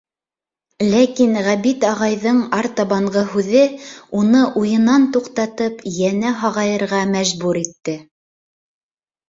Ләкин Ғәбит ағайҙың артабанғы һүҙе, уны уйынан туҡтатып, йәнә һағайырға мәжбүр итте.